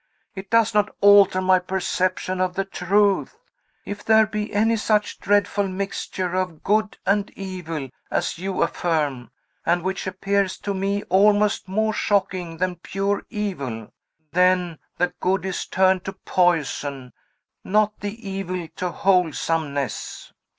It does not alter my perception of the truth. If there be any such dreadful mixture of good and evil as you affirm, and which appears to me almost more shocking than pure evil, then the good is turned to poison, not the evil to wholesomeness."